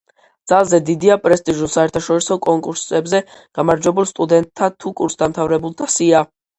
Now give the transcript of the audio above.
ძალზედ დიდია პრესტიჟულ საერთაშორისო კონკურსებზე გამარჯვებულ სტუდენტთა თუ კურსდამთავრებულთა სია.